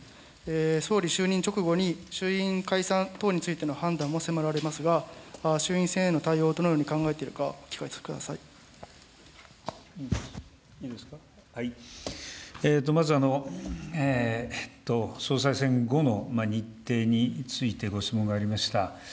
総理就任直後に衆院解散等についての判断も迫られますが、衆院選への対応をどのように考えているまず、総裁選後の日程についてご質問がありました。